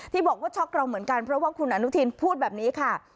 ที่บอกว่าช็อกเราเหมือนกันเพราะว่าคุณอนุทินพูดแบบนี้ค่ะ